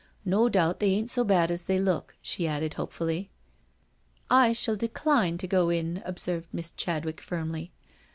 No doubt they ain't so bad as they look," she added hopefully. *' I shall decline to go in/' observed Miss Chadwick firmly.